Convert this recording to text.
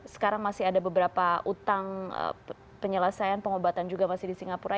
sekarang masih ada beberapa utang penyelesaian pengobatan juga masih di singapura